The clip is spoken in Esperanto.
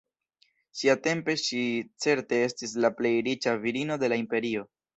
Siatempe ŝi certe estis la plej riĉa virino de la imperio.